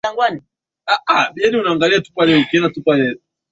mwandishi zinazotolewa Ongea juu ya Kupoteza Kuongeza